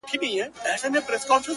• خو ما یوه شېبه خپل زړه تش کړ ,